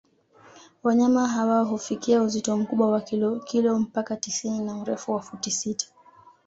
Wanyama hawa hufikia uzito mkubwa wa kilo mpaka tisini na urefu wa futi sita